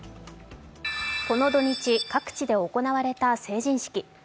この土日、各地で行われた成人式。